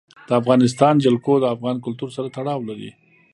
د افغانستان جلکو د افغان کلتور سره تړاو لري.